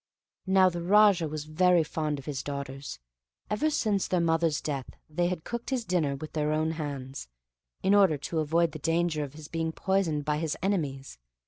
Now the Raja was very fond of his daughters. Ever since their mother's death they had cooked his dinner with their own hands, in order to avoid the danger of his being poisoned by his enemies.